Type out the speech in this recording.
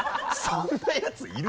そんなやついる？